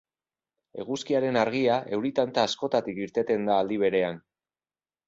Eguzkiaren argia, euri tanta askotatik irteten da aldi berean.